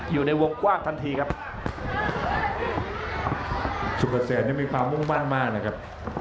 อยู่ในวงกว้างทันทีครับสุกเกษมนี่มีความมุ่งมั่นมากนะครับ